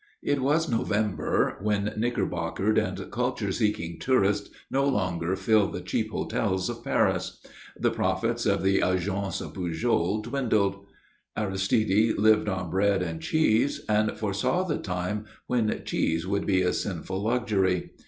It was November, when knickerbockered and culture seeking tourists no longer fill the cheap hotels of Paris. The profits of the Agence Pujol dwindled. Aristide lived on bread and cheese, and foresaw the time when cheese would be a sinful luxury.